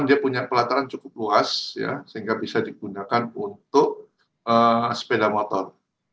dia punya pelataran cukup luas sehingga bisa digunakan untuk sepeda motor